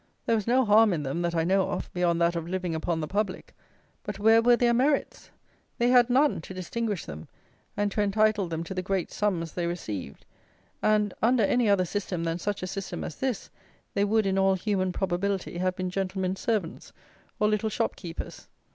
There was no harm in them that I know of, beyond that of living upon the public; but where were their merits? They had none, to distinguish them, and to entitle them to the great sums they received; and, under any other system than such a system as this, they would, in all human probability, have been gentlemen's servants or little shopkeepers.